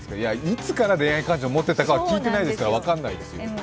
いつから恋愛感情を持ってたかは、聞いてないですから分からないですよ。